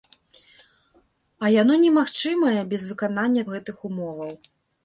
А яно немагчымае без выканання гэтых умоваў.